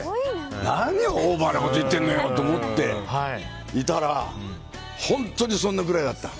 何、オーバーなこと言ってんのよと思ってたら本当にそんなくらいだった。